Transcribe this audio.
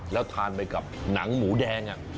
แล้วทานไปกับหนังหมูแดง